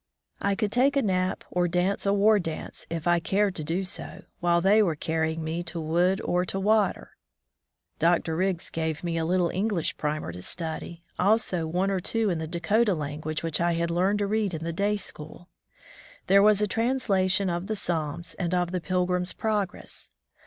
I could take a nap, or dance a war dance, if I cared to do so, while they were carrying me to wood or to water. Dr. Riggs gave me a little English primer to study, also one or two books in the Dakota language, which I had learned to read in the day school. There was a translation of the Psalms, and of the Pilgrim's Progress.